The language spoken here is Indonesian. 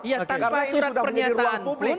karena ini sudah punya di ruang publik